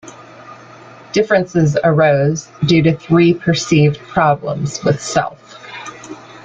Differences arose due to three perceived problems with Self.